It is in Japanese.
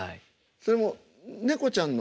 それも猫ちゃんの。